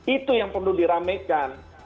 itu yang perlu diramekan